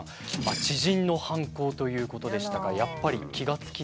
知人の犯行ということでしたがやっぱり気が付きにくいんでしょうか？